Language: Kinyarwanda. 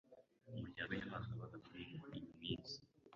Umuryango winyamanswa wabaga muri iyo minsi